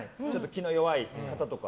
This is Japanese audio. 気の弱い方とか。